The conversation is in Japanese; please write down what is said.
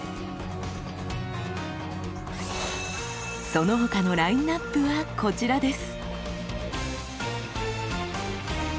その他のラインナップはこちらです。